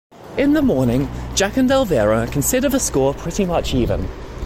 In the morning, Jack and Elvira consider the score pretty much even.